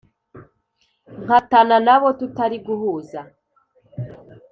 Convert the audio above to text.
nkatana n'abo tutari guhuza?